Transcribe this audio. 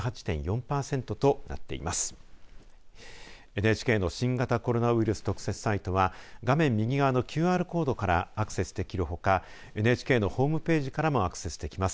ＮＨＫの新型コロナウイルス特設サイトは画面右側のＱＲコードからアクセスできるほかＮＨＫのホームページからもアクセスできます。